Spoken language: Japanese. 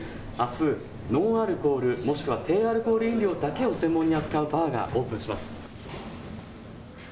あすアルコールもしくは低アルコール飲料だけを専門に扱う店がオープンします。